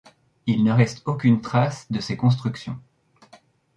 Il ne reste aucune trace de ces constructions.